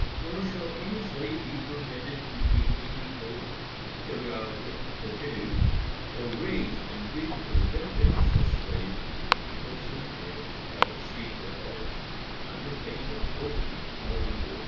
nor shall any slave be permitted to keep any boat, periauger, or canoe, or raise and breed, for the benefit of such slave, any horses, mares, cattle, sheep, or hogs, under pain of forfeiting all the goods, &c.